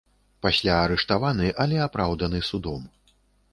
Пасля арыштаваны, але апраўданы судом.